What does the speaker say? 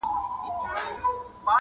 زه به نه یم ته به یې باغ به سمسور وي٫